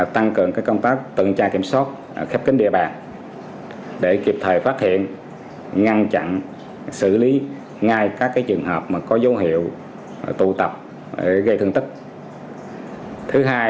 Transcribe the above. tăng cường công tác tuần tra kiểm soát khép kính địa bàn để kịp thời phát hiện ngăn chặn xử lý ngay các trường hợp có dấu hiệu tụ tập gây thương tích